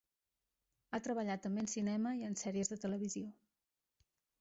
Ha treballat també en cinema i en sèries de televisió.